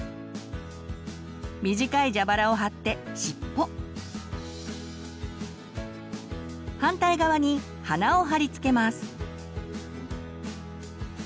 短いジャバラを貼って尻尾反対側に鼻を貼り付けます。